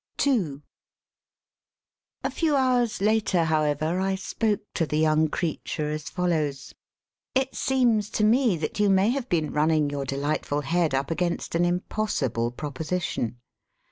A few hours later, however, I spoke to the young creature as follows: "It seems to me that you may have been run ning your delightful head up against an im possible proposition.